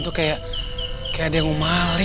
tapi makanya proses menangnya